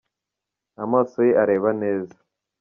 Amaso ye areba neza.